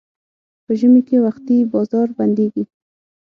په ژمي کې وختي بازار بندېږي.